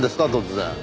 突然。